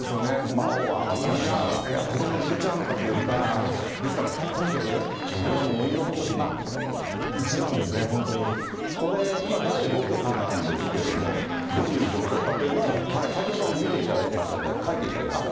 魔王は、ここも抜けちゃうのかというか、今局、これが鬼の、これ、第５局なんですけども、どういう状況かというのを、先ほど見ていただきましたんで書いていただきました。